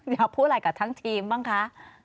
อยากพูดอะไรกับทั้งทีมบ้างคะ